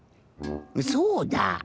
そうだ。